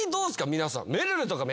皆さん。